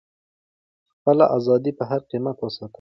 خپله ازادي په هر قیمت وساتئ.